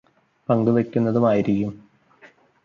പങ്കു വയ്ക്കുന്നതുമായിരിക്കും